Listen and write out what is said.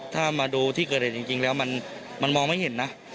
ถ้ามาดูที่เกิดเหตุจริงแล้วมันมองไม่เห็นนะ